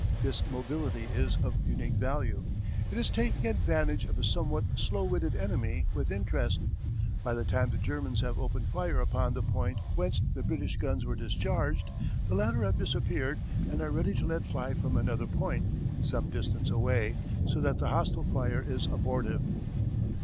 This mobility is of unique value: it is taking advantage of a somewhat slow witted enemy with interest. By the time the Germans have opened fire upon the point whence the British guns were discharged, the latter have disappeared and are ready to let fly from another point, some distance away, so that the hostile fire is abortive.